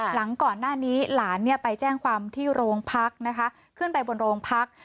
หลังก่อนหน้านี้หลานเนี่ยไปแจ้งความที่โรงพักนะคะขึ้นไปบนโรงพัก